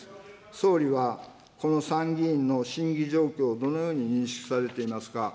総理はこの参議院の審議状況をどのように認識されていますか。